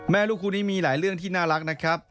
แม่ลูกคู่นี้มีหลายเรื่องที่น่ารักนะครับ